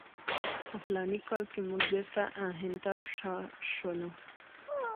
په فلاني کال کې موږ بیرته هند ته پر شا شولو.